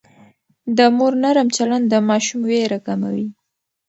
د مور نرم چلند د ماشوم وېره کموي.